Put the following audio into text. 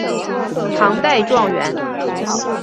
唐代状元。